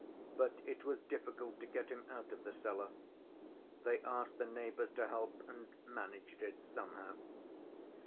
But it was difficult to get him out of the cellar. They asked the neighbors to help and managed it somehow.